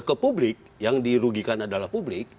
ke publik yang dirugikan adalah publik